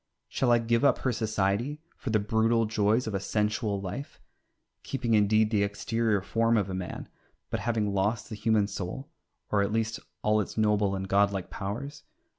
Shall I give up her society for the brutal joys of a sensual life, keeping indeed the exterior form of a man, but having lost the human soul, or at least all its noble and godlike powers?